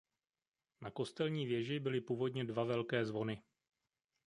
Na kostelní věži byly původně dva velké zvony.